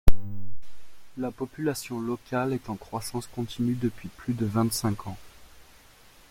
La population locale est en croissance continue depuis plus de vingt-cinq ans.